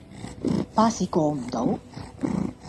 巴士過唔到